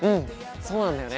そうなんだよね。